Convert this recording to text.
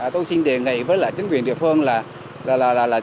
tôi xin đề nghị với lại chính quyền địa phương là